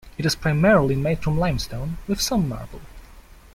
It is primarily made of limestone, with some marble.